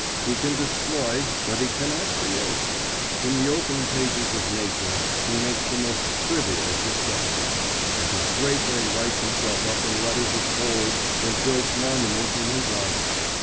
He can destroy, but he cannot create. In the open page of Nature he makes the most trivial of discoveries, and he straightway writes himself up in letters of gold and builds monuments in his honour.